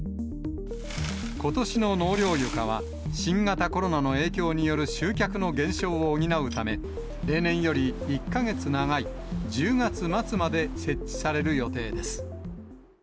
ことしの納涼床は、新型コロナの影響による集客の減少を補うため、例年より１か月長い、１０月末まで設置される予定です。